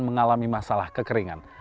mengalami masalah kekeringan